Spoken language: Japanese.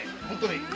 本当に！